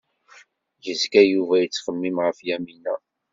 Yezga Yuba yettxemmim ɣef Yamina.